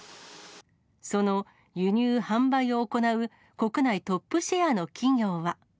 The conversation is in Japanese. その輸入・販売を行う国内トップシェアの企業は。